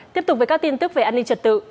tiếp tục với các tin tức về an ninh trật tự